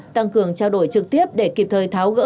tăng cường trao đổi trực tiếp để kịp thời tháo gỡ